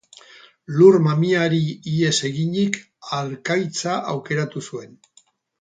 Lur mamiari ihes eginik, harkaitza aukeratu zuen.